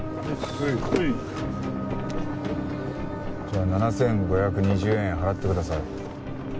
じゃあ７５２０円払ってください。